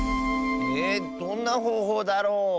えどんなほうほうだろう？